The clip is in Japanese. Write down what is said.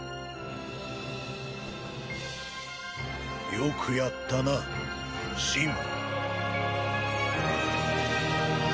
よくやったなシン。